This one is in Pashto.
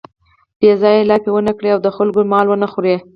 بې ځایه لاپې و نه کړي او د خلکو مال و نه خوري.